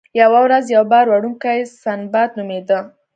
یوه ورځ یو بار وړونکی سنباد نومیده.